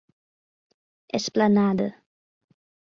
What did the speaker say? Esplanada